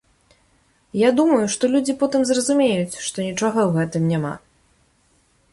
Я думаю, што людзі потым зразумеюць, што нічога ў гэтым няма.